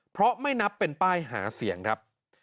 เพราะไม่นับเป็นป้ายหาเสียงครับ